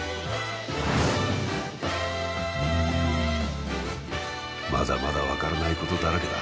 うんまだまだ分からないことだらけだ！